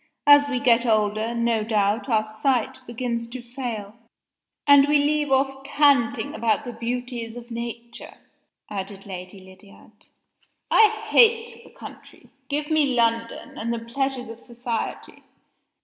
"As we get older, no doubt our sight begins to fail " "And we leave off canting about the beauties of Nature," added Lady Lydiard. "I hate the country. Give me London, and the pleasures of society."